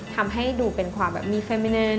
ทำให้ดูเป็นความแบบมีแฟนไม่แน่น